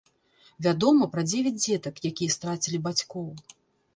Вядома пра дзевяць дзетак, якія страцілі бацькоў.